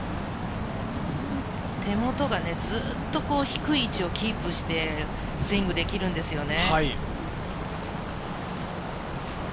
手元がずっと低い位置をキープして、スイングできるんですよね。